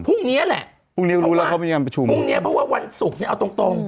พรุ่งเนี่ยล่ะเพราะว่าวันศุกร์เนี่ยเอาตรง